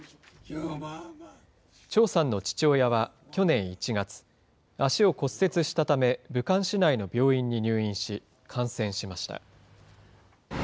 張さんの父親は去年１月、足を骨折したため、武漢市内の病院に入院し、感染しました。